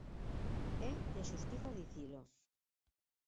É de xustiza dicilo.